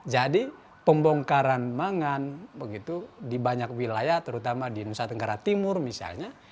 jadi pembongkaran mangan di banyak wilayah terutama di nusa tenggara timur misalnya